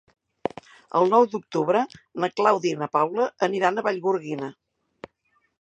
El nou d'octubre na Clàudia i na Paula aniran a Vallgorguina.